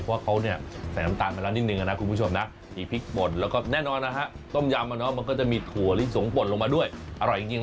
คุณก็บีบมะนาวลงไปดิมันจะได้เป็นมะนาวสดของจริง